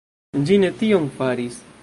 Ĝi ne tion faris.